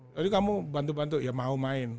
jadi kamu bantu bantu ya mau main